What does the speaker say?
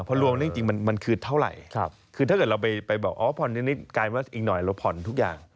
ยังไงจริงมันคือเท่าไหร่ถ้าเกิดเราไปบอกอ๋อพอลหนึ่งนิดการมาอีกหน่อยเราพอลทุกอย่าง